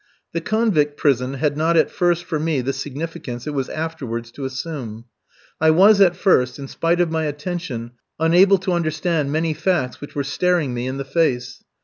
The convict prison had not at first for me the significance it was afterwards to assume. I was at first, in spite of my attention, unable to understand many facts which were staring me in the face.